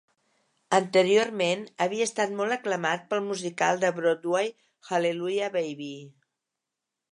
Anteriorment havia estat molt aclamat pel musical de Broadway "Hallelujah, Baby!"